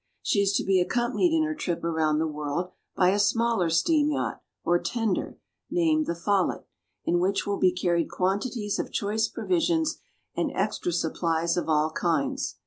She is to be accompanied in her trip around the world by a smaller steam yacht, or tender, named the Follet, in which will be carried quantities of choice provisions and extra supplies of all kinds.